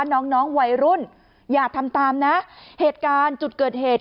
น้องน้องวัยรุ่นอย่าทำตามนะเหตุการณ์จุดเกิดเหตุ